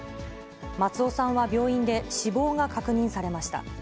松尾さんは病院で死亡が確認されました。